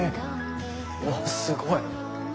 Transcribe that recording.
うわっすごい！